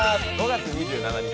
５月２７日